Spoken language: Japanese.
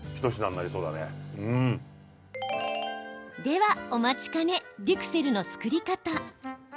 では、お待ちかねデュクセルの作り方。